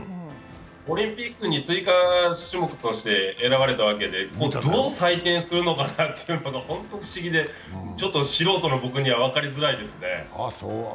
オリンピックに追加種目として選ばれたわけで、どう採点するのかなというのがホント不思議でちょっと素人の僕には分かりづらいですね。